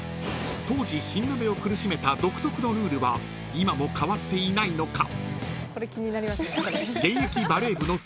［当時新鍋を苦しめた独特のルールは今も変わっていないのか？］